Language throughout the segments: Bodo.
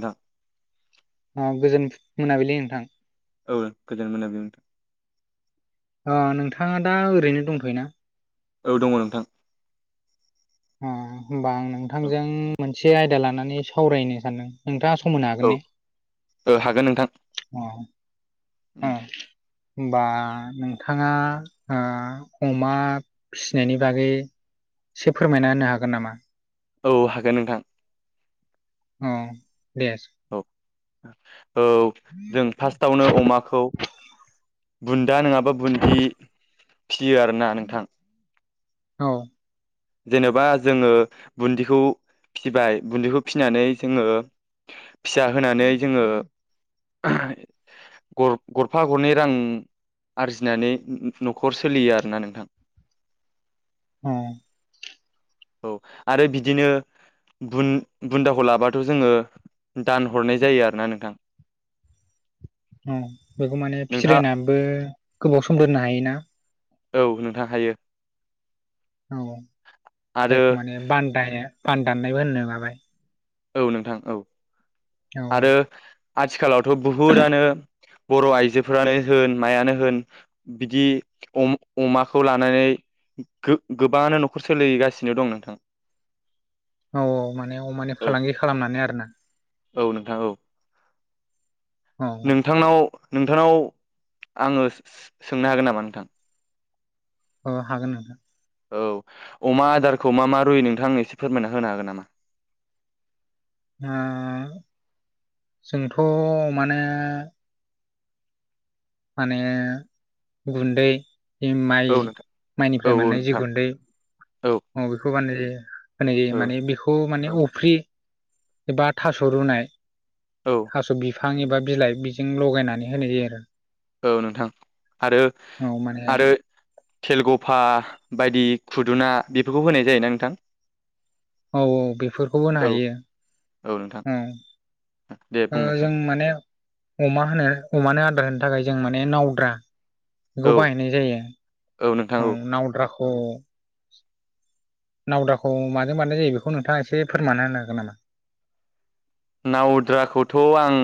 नोंथां गोजोन मोनाबिलि नोंथां। औ गोजोन मोनाबिलि नोंथां। अ नोंथाङा दा ओरैनो दंथयो ना? औ दङ नोंथां। आ होमबा आं नोंथांजों मोनसे आयदा लानानै सावरायनो सानदों नोंथाङा। सम होनो औ हागोन ने औ हागोन नोंथां अ। आ होनबा नोंथाङा आ अमा फिनायनि बागै एसे फोरमायना होनो हागोन नामा औ हागोन नोंथां अ दे औ औ जों फार्स्टआवनो अमाखौ बुन्दा नङाबा बुन्दि फियो आरोना नोंथां औ जेनेबा जोङो बुन्दिखौ फिबाय बुन्दिखौ फिनानै जोङो फिसा होनानै जोङो गर गरफा गरनै रां आरजिनानै न'खर सोलियो आरोना नोंथां अ औ आरो बिदिनो बुन बुन्दाखौ लाबाथ' जोङो दान हरनाय जायो आरोना नोंथां [inaudible] औ बेखौ माने नोंथाङा फिरायनाबो गोबाव सम दोननो हायोना औ नोंथां हायो औ आरो जायखौ माने बान्दाया बान्दाननायबो होननो हाबाय औ नोंथां औ औ आरो आथिखालावथ बहुदानो बर आइजोफोरानो होन मायानो होन बिदि अम अमाखौ लानानै गोबाङानो नखर सोलिगासिनो दं नोंथां औ- औ माने अमानि औ फालांगि खालामनानै आरोना औ नोंथां औ औ नोंथांनाव नोंथांनाव आङो सोंनो हागोन नामा नोंथां औ हागोन औ अमा आदारखौ मा मा रुयो नोंथांआ आंनो एसे फोरमायना होनो हागोन नामा आ जोंथ अमानो माने गुन्दै माइ औ नोंथां औ माइनिफ्राय औ मोननाय जि नोंथां गुन्दै औ बेखौ बाननाय जायो होनाय जायो औ माने बेखौ माने अफ्रि बा थास', रुनाय, औ थास बिफां एबा बिलाइ बिजों लगायनानै होनाय जायो आरो औ नोंथां आरो औ माने आरो खेलगफा बायदि खुदुना बेफोरखौ होनाय जायोना नोंथां औ-औ बेफोरखौबो होनो औ हायो औ नोंथां दे जों बुंनायसाय माने अमा होनो अमानो आदार होनो थाखाय जों माने नावद्रा बेखौ औ बाहायनाय जायो औ नोंथां औ नावद्राखौ नावद्राखौ माजों बानायनाय जायो बेखौ नोंथाङा एसे फोरमायना होनो हागोन नामा नावद्राखौथ आं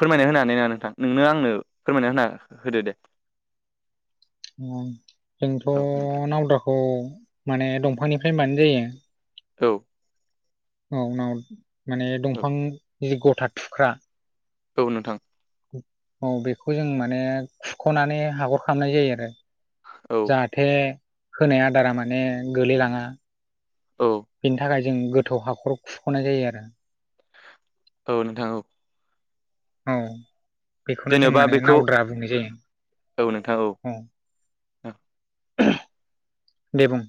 फोरमायना होनो हानाय नङा नोंथां नोंनो आंनो फोरमायना होना होदो दे [inaudible] जोंथ' औ नोंथां नावद्राखौ माने दंफांनिफ्राय बानायनाय जायो औ औ नाव माने औ दंफां जि गथा थुख्रा औ नोंथां औ बेखौ जों माने खुख'नानै हाखर खालामामनाय जायो आरो औ जाहाथे होनाय आदारा माने गोलैलाङा औ बेनि थाखाय जों गोथौ हाखर खुख'नाय जायो आरो औ नोंथां औ। औ बेखौनो जों जेनेबा माने बेखौ नावद्रा बुंनाय जायो औ नोंथां औ। दे बुं।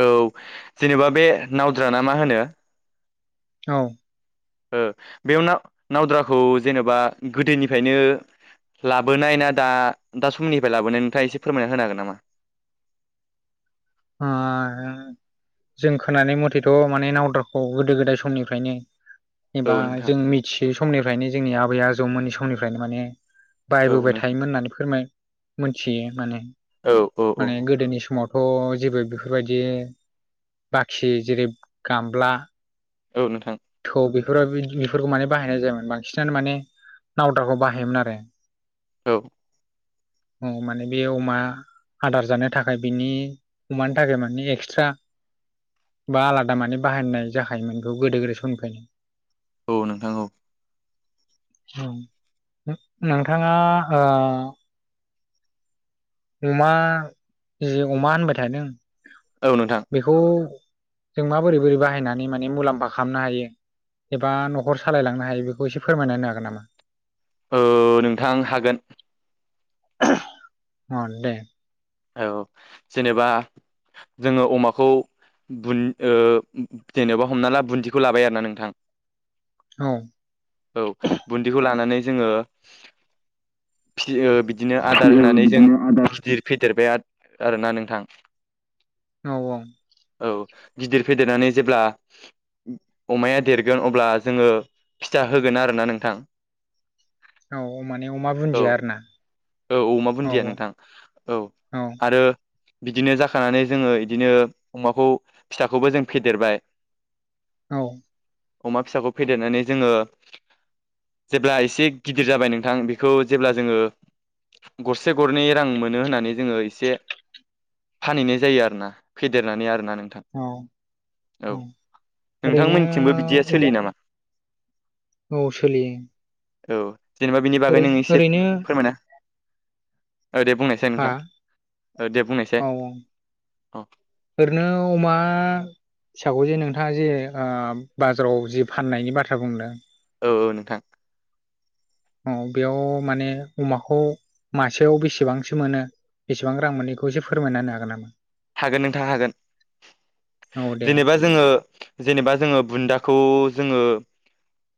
औ जेनेबा बे नावद्रा ना मा होनो? औ। ओ बेयावा ना-नावद्राखौ जेनेबा गोदोनिफ्रायनो लाबोनाय ना दा दा समनिफ्राय लाबोनाय नोंथाङा एसे फोरमायना होनो हागोन नामा? [unintelligible] जों खोनानाय मथेथ' माने नावदारखौ गोदो गोदाय समनिफ्रायनो एबा औ नोंथां जों मिथियै समनिफ्रायनो जोंनि आबै आजौमोननि समनिफ्रायनो माने औ बाहायबोबाय नोंथां थायोमोन होननानै फोरमाय मोनथियो माने औ औ माने औ गोदोनि समाव। थ' जेबो बेफोरबायदि बाखि जेरै गामला। औ नोंथां थ' बे [unintelligible] बेफोरखौ माने बाहायनाय जायोमोन बांसिनानो माने नावद्राखौ बाहायोमोन आरो। औ। औ माने बे अमा आदार जानो थाखाय बिनि अमानि थाखाय माने एक्सट्रा बा आलादा माने बाहायनाय जाखायोमोन बेखौ गोदो गोदाय समनिफायनो। औ नोंथां औ। नोंथाङा ओ अमा जि अमा होनबाय थादों औ नोंथां बेखौ जों माबोरै बोरै बाहायनानै माने मुलाम्फा खामनो हायो? एबा न'खर सालायलांनो हायो बेखौ एसे फोरमायना होनो हागोन नामा? ओ नोंथां हागोन। अ दे। औ जेनेबा जोङो अमाखौ बुन ओ जेनेबा हमना ला बुन्दिखौ लाबाय आरोना नोंथां। औ औ बुन्दिखौ लानानै जोङो ओ बिदिनो आदार होनानै जों गिदिर फेदेरबाय आर-आरोना नोंथां। औ औ। औ गिदिर फेदेरनानै जेब्ला अमाया देरगोन अब्ला जोङो फिथा होगोन आरोना नोंथां। औ माने अमा औ बुन्दिया आरोना। औ अमा बुन्दिया नोंथां औ आरो बिदिनो जाखानानै जोङो इदिनो अमाखौ फिसाखौबो जों फेदेरबाय। औ। अमा फिसाखौ फेदेरनानै जोङो जेब्ला एसे गिदिर जाबाय नोंथां बेखौ जेब्ला जोङो गरसे गरनै रां मोनो होननानै जोङो एसे फानहैनाय जायो आरोना फेदेरनानै आरोना। नोंथां औ औ ओरैनो नोंथांमोनथिंबो बिदिया अमा सोलियो नामा? औ सोलियो। औ जेनेबा बिनि बागै ओरै नों एसे ओरैनो फोरमायना ओ दे बुंनायसाय हा नोंथां। औ दे बुंनायसाय औ औ औ ओरैनो अमा फिसाखौ जे नोंथाङा जे ओ बाजाराव जे फाननायनि बाथ्रा बुंदों। औ औ नोंथां। औ बेयाव माने अमाखौ मासेयाव बेसेबांसो मोनो? बेसेबां रां मोनैखौ एसे फोरमायना होनो हागोन नामा? हागोन नोंथाङा हागोन औ दे जेनेबा जोङो जेनेबा जोङो बुन्दाखौ जोङो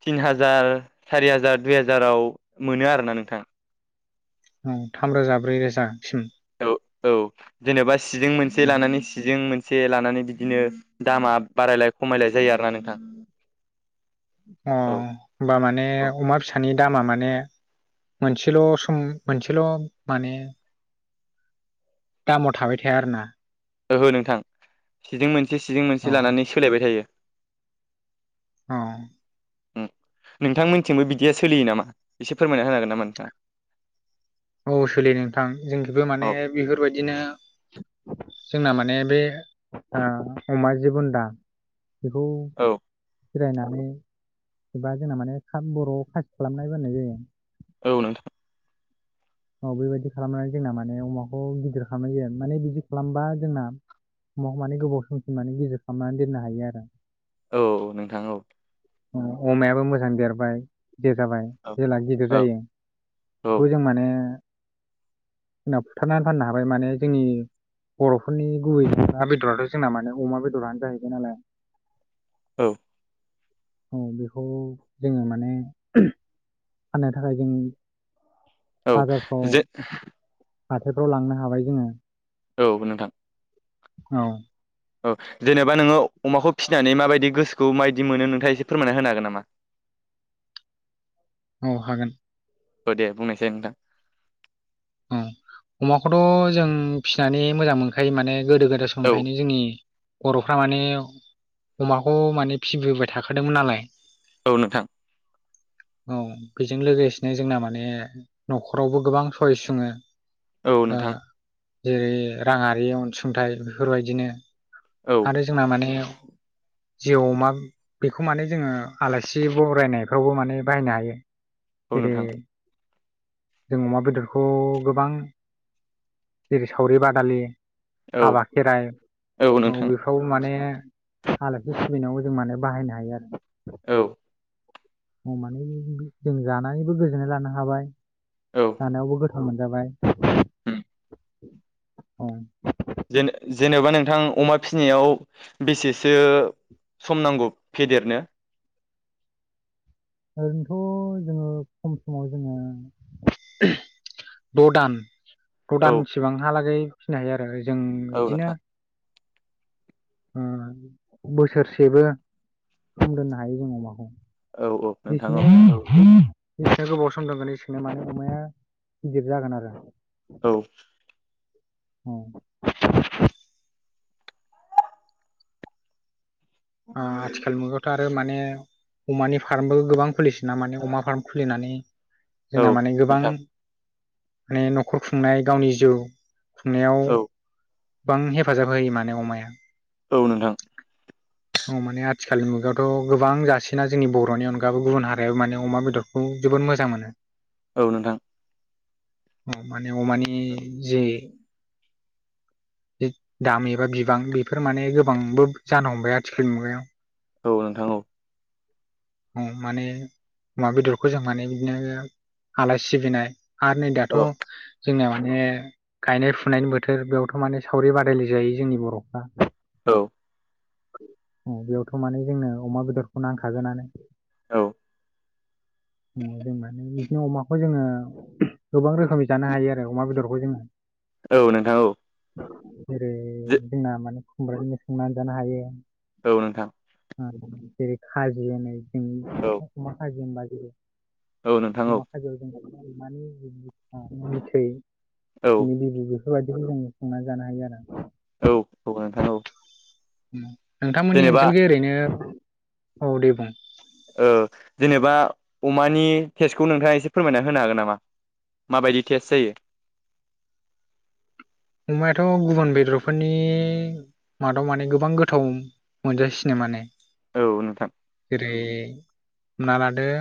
तिन हाजार सारि हाजार दुइ हाजाराव मोनो आरोना नोंथां औ थामरोजा ब्रै रोजासिम औ औ जेनेबा सिजों मोनसे औ लानानै सिजों मोन से लानानै बिदिनो दामा बारायलाय खमायलाय जायो आरोना नोंथां। अ औ होनबा माने औ अमा फिसानि दामा माने मोनसेल' सम मोनसेल' माने दामाव थाबाय थाया आरो ना। ओहो नोंथां सिदिं मोनसे सिजिं अ मोनसे लानानै सोलायबाय थायो। औ ओम नोंथांमोनथिंबो बिदिया सोलियो नामा एसे फोरमायना होनो हागोन नामा नोंथां? औ सोलियो नोंथां जोंनिखैबो माने औ बेफोरबायदिनो जोंना माने बे ओ अमा जि बुन्दा बेखौ औ फिरायनानै एबा जोंना माने बर'आव [unintelligible] कासि खालामनाय बो होननाय जायो। औ नोंथां। औ बेबायदि खालामनानै जोंना माने अमाखौ गिदिर खालामनाय जायो माने बिदि खालामबा जोंना म माने गोबाव समसिम माने गिदिर खालामनानै दोननो हायो आरो औ नोंथां औ ओ अमायाबो मोजां देरबाय गिदिर जाबाय औ जेला गिदिर औ जायो बेखौ जों माने उनाव फुथारनानै फाननो हाबाय माने जोंनि बर'फोरनि गुबै ना बेदराथ' जोंना माने अमा बेदरानो जाहैबाय नालाय औ औ बेखौ जोङो माने फाननो थाखाय जों औ बाजारफ्राव औ जे हाथायफ्राव लांनो हाबाय जोङो औ नोंथां औ औ जेनेबा नोङो अमाखौ फिनानै माबायदि गोसोखौ माबायदि मोनो नोंथाङा एसे फोरमायना होनो हागोन नामा? औ हागोन। औ दे बुंनायसाय नोंथां। औ अमाखौथ' जों फिनानै मोजां मोनखायो माने गोदो गोदाय औ समनिफ्रायनो जोंनि बर'फ्रा माने अमाखौ माने फिबोबाय थाखादोंमोन नालाय औ नोंथां औ बेजों लोगोसेनो जोंना माने न'खरावबो गोबां सयस सुङो औ ओ नोंथां जेरै- राङारि अनसुंथाइ बेफोरबायदिनो औ आरो जोंना माने जेउ अमा बेखौ माने जोङो आलासि बरायनायफ्रावबो माने बाहायनो हायो। औ नोंथां जेरै- जों अमा बेदरखौ गोबां जेरै- सावरि बादालि औ हाबा खेराइ औ बेफ्राव माने आलासि सिबिनायावबो जों माने बाहायनो हायो आरो। औ अमानि जों जानानैबो गोजोननाय लानो हाबाय जानायावबो गो थाव मोनजाबाय ओम औ जेन जेनेबा नोंथां अमा फिनायाव बेसेसो सम नांगौ फेदेरनो? ओरैनोथ' जोङो खम समाव जोङो [unintelligible] द' दान द' औ दानसिबांहालागै फिनो हायो आरो जों औ नोंथां बिदिनो ओ बोसोरसेबो खम दोननो हायो जों अमाखौ औ औ नोंथां औ बिसनो इसिनो गोबाव सम दोंगोन इसोरनो मानि अमाया गिदिर जागोन आरो औ औ ओ आथिखाल मुगायावथ' आरो माने अमानि फार्मबो गोबां फलिसि बिना माने अमा फार्म खुलिनानै औ जोंना माने गोबां नोंथां माने न'खर खुंनाय गावनि जिउ खुंनायाव औ बां हेफाजाब होयो माने अमाया औ नोंथां [inaudible] औ माने आथिखालनि मुगायावथ' गोबां जासिना जोंनि बर'नि अनगाबो गुबुन हारिायाव माने अमा बेदरखौ जोबोद मोजां मोनो। औ नोंथां। अ माने अ मानि जे दाम एबा बिबां बेफोर माने गोबांबो जानो हमबाय आथिखालनि मुगायाव औ नोंथां औ माने अमा बेदरखौ जों माने बिदिनो आलासि सिबिनाय आरो नै दाथ' औ जोंना माने गायनाय फुनायनि बोथोर बेयावथ' माने सावरि बादायलाय जायो जोंनि बर'फ्रा औ। बेयावथ' माने जोंनो अमा बेदरखौ नांखागोनानो औ। [inaudible] जों माने बिदिनो अमाखौ जोङो गोबां रोखोमनि जानो हायो आरो अमा बेदरखौ जोङो औ नोंथां औ जेरै जे जोंना माने खुमब्राजोंबो संनानै जानो हायो औ नोंथां जेरै खाजि औ अमा खाजि होनबा औ नोंथां औ अमा खाजि जों अमानि बिबु बिखा बिथै औ बिनि बिबु बेफोरबायदिखौ जों संनानै जानो हायो आरो औ औ नोंथां औ नोंथांमोननि जेनेबा ओनसोल ओरैनो औ दे बुं औ जेनेबा अमानि टेस्टखौ नोंथाङा एसे फोरमायना होनो हागोन नामा माबायदि टेस्ट जायो। अमायाथ' गुबुन बेदरफोरनि मादाव माने गोबां गोथाव मोनजासिनो माने औ नोंथां रे ना लादो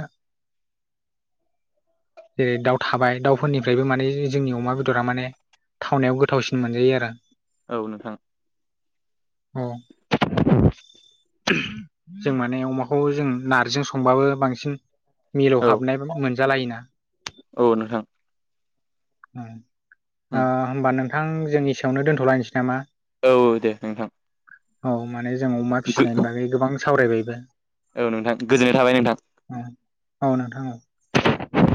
जेरै दाउ थाबाय दाउफोरनिफ्रायबो माने जोंनि अमा बेदरा माने थावनायाव गोथावसिन मोनजायो आरो औ नोंथां औ। जों माने अमाखौ जों नार्जि संबाबो बांसिन मिलोव औ हाबनाय मोनजालायोना औ नोंथां। ह ओ होमबा नोंथां जोंनि एसेयावनो दोन्थ'लायनोसै नामा औ दे नोंथां औ माने जों अमा फिसिनायनि बागै गोबां सावरायबायबो औ नोंथां गोजोननाय थाबाय नोंथां औ औ नोंथां औ औ दे।